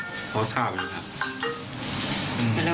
นี่ก็เขาทราบอยู่นะครับ